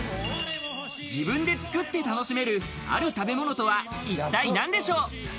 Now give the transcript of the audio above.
自分で作って楽しめる、ある食べ物とは一体なんでしょう。